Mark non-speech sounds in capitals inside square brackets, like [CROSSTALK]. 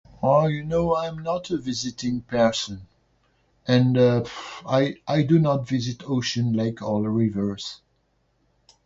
I know I'm not a visiting person. And [HESITATION] I I do not visit ocean, lake or a rivers.